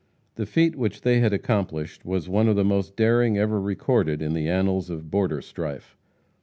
The feat which they had accomplished was one of the most daring ever recorded in the annals of border strife.